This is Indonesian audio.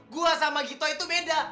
gua sama gito itu beda